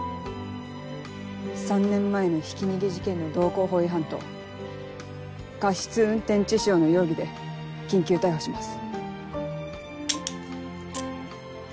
３年前のひき逃げ事件の道交法違反と過失運転致傷の容疑で緊急逮捕します。